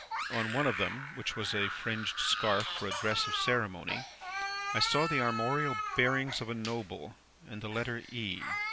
On one of them, which was a fringed scarf for a dress of ceremony, I saw the armorial bearings of a Noble, and the letter E.